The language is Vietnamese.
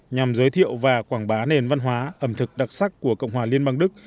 nhằm giới thiệu và quảng bá nền văn hóa ẩm thực đặc sắc của cộng hòa liên bang đức